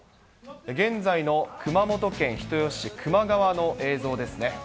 現在の熊本県人吉市、球磨川の映像ですね。